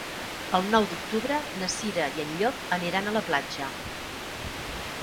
El nou d'octubre na Cira i en Llop aniran a la platja.